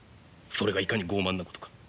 それがいかに傲慢なことか。